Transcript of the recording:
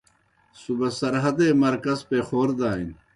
صوبہ سرحدے مرکز پیخور دانیْ۔